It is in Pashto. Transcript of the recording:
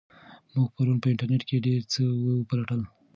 موږ پرون په انټرنیټ کې ډېر څه وپلټل.